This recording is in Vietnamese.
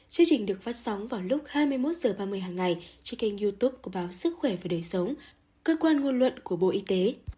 chương trình được phát sóng vào lúc hai mươi một h ba mươi hàng ngày trên kênh youtube của báo sức khỏe và đời sống cơ quan ngôn luận của bộ y tế